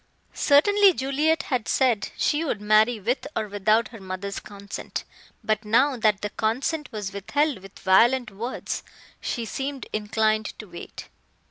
Certainly Juliet had said she would marry with or without her mother's consent, but now that the consent was withheld with violent words, she seemed inclined to wait.